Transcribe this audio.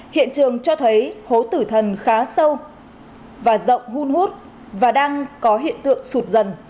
hiện trường cho thấy hố tử thần khá sâu và rộng hun hút và đang có hiện tượng sụt dần